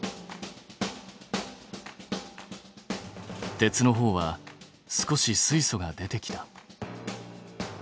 鉄のほうは少し水素が出てきた。